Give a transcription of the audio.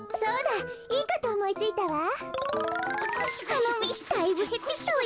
あのみだいぶへってきたわよ。